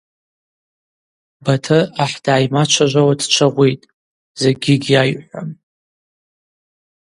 Батыр ахӏ дгӏаймачважвауа дчвагъвитӏ, закӏгьи гьгӏайайхӏвуам.